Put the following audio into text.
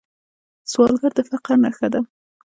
سوالګر د فقر نښه ده